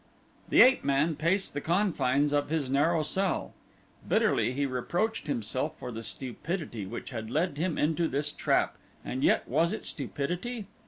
The ape man paced the confines of his narrow cell. Bitterly he reproached himself for the stupidity which had led him into this trap, and yet was it stupidity?